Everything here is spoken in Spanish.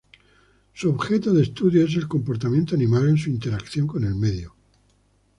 Su objeto de estudio es el comportamiento animal en su interacción con el medio.